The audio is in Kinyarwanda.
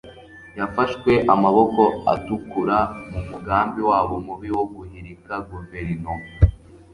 yafashwe 'amaboko atukura mu mugambi wabo mubi wo guhirika guverinoma